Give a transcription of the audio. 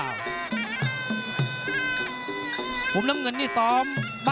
นักมวยจอมคำหวังเว่เลยนะครับ